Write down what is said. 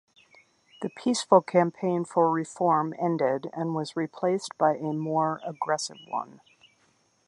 The peaceful campaign for reform ended and was replaced by a more aggressive one.